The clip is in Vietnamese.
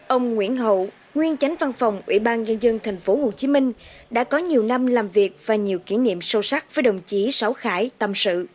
ông nguyễn hậu nguyên chánh văn phòng ủy ban nhân dân tp hcm đã có nhiều năm làm việc và nhiều kỷ niệm sâu sắc với đồng chí sáu khải tâm sự